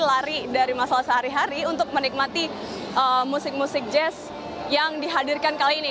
lari dari masalah sehari hari untuk menikmati musik musik jazz yang dihadirkan kali ini